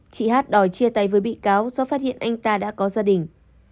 chị hát đòi chia tay với bị cáo do phát hiện anh ta đã có gia đình